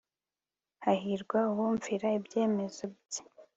hahirwa abumvira ibyemezo bye